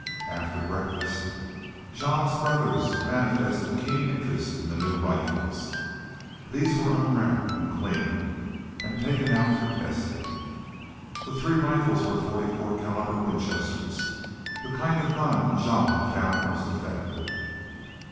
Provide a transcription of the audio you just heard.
After breakfast Jean's brothers manifested keen interest in the new rifles. These were unwrapped and cleaned and taken out for testing. The three rifles were forty four calibre Winchesters, the kind of gun Jean had found most effective.